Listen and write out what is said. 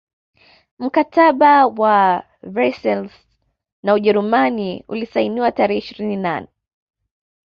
Mkataba wa Versailles na Ujerumani uliosainiwa tarehe ishirini na nae